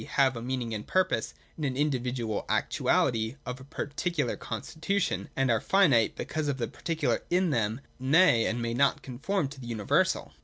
e. have a meaning and purpose) in an individual actuality of a particular constitution. And they are finite, because the particular in them may and also may not conform to the universal.